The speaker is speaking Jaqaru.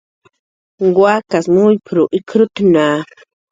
"Wakas muyp""r ikrutna"